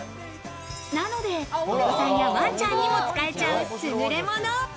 なので、お子さんやワンちゃんにも使えちゃう、すぐれもの。